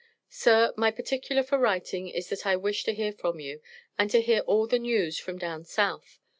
Sir, my particular for writing is that I wish to hear from you, and to hear all the news from down South.